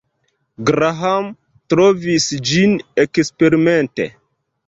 Graham trovis ĝin eksperimente.